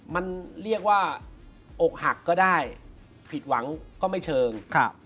มันเรียกว่าอกหักก็ได้ผิดหวังก็ไม่เชิง